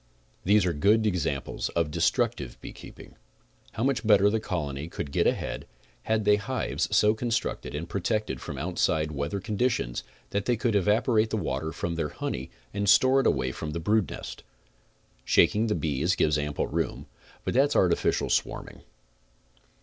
These are good examples of destrutive beekeeping. How much better the colony could get ahead had they hives so con structed and protected from outside weather conditions that they could evaporate the water from their honey and store it away from the brood nest. Shaking the bees gives ample room, but that is artifical swarming.